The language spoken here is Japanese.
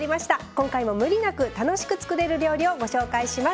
今回も無理なく楽しく作れる料理をご紹介します。